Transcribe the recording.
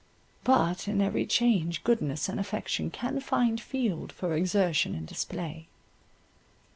But in every change goodness and affection can find field for exertion and display.